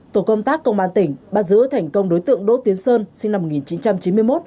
tổ công tác công an tỉnh bắt giữ thành công đối tượng đỗ tiến sơn sinh năm một nghìn chín trăm chín mươi một